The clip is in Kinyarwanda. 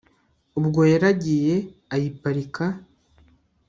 ubwo yaragiye ayiparika